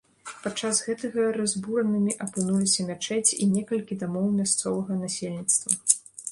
Падчас гэтага разбуранымі апынуліся мячэць і некалькі дамоў мясцовага насельніцтва.